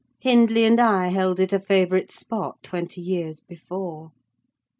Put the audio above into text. Hindley and I held it a favourite spot twenty years before.